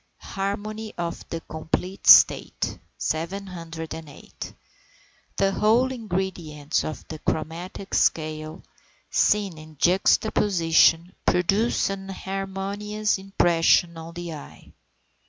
HARMONY OF THE COMPLETE STATE. 708. The whole ingredients of the chromatic scale, seen in juxtaposition, produce an harmonious impression on the eye.